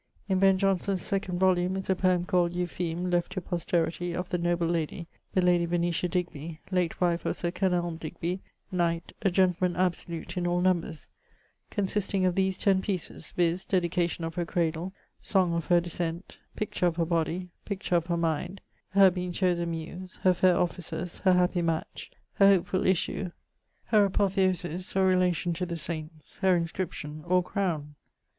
In Ben. Johnson's 2d volumne is a poeme called 'Eupheme[DY], left to posteritie, of the noble lady, the ladie Venetia Digby, late wife of Sir Kenelme Digby, knight, a gentleman absolute in all numbers: consisting of these ten pieces, viz. Dedication of her Cradle; Song of her Descent; Picture of her Bodie; Picture of her Mind; Her being chose a Muse; Her faire Offices; Her happy Match; Her hopefull Issue; Her ἈΠΟΘΕΩΣΙΣ, or Relation to the Saints; Her Inscription, or Crowne.'